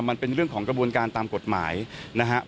มันเป็นเรื่องของกระบวนการตามกฎหมายนะครับ